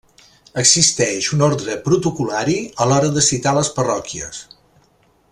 Existeix un ordre protocol·lari a l'hora de citar les parròquies.